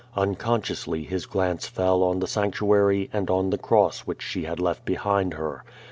Unconsciously his glance fell on the sanctuary and on the cross which she had left behind her.